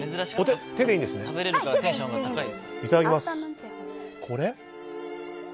いただきます。